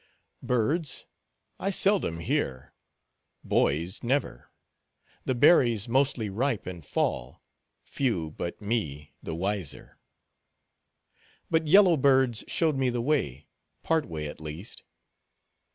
"Birds, I seldom hear; boys, never. The berries mostly ripe and fall—few, but me, the wiser." "But yellow birds showed me the way—part way, at least."